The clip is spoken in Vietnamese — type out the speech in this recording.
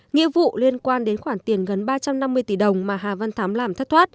nghĩa vụ liên quan đến khoản tiền gần ba trăm năm mươi tỷ đồng mà hà văn thắm làm thất thoát